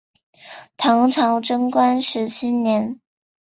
唐朝贞观十七年。